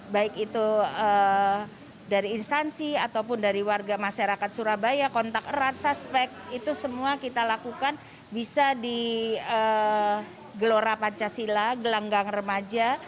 baik itu dari instansi ataupun dari warga masyarakat surabaya kontak erat suspek itu semua kita lakukan bisa di gelora pancasila gelanggang remaja